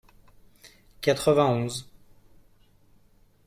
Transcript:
Quatre-vingt-onze.